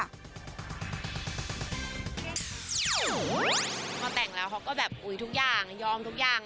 พอแต่งแล้วเขาก็แบบอุ๊ยทุกอย่างยอมทุกอย่าง